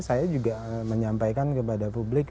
saya juga menyampaikan kepada publik